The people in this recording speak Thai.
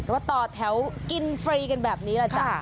ก็ต่อแถวกินฟรีกันแบบนี้